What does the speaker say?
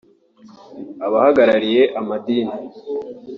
abahagarariye amadini